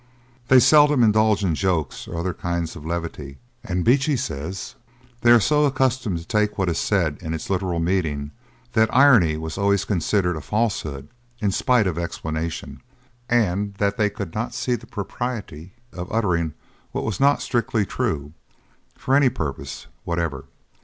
They seldom indulge in jokes or other kinds of levity; and Beechey says, they are so accustomed to take what is said in its literal meaning, that irony was always considered a falsehood in spite of explanation; and that they could not see the propriety of uttering what was not strictly true, for any purpose whatever.